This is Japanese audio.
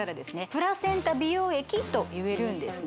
「プラセンタ美容液」と言えるんですね